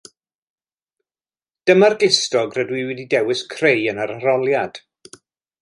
Dyma'r glustog rydw i wedi dewis creu yn yr arholiad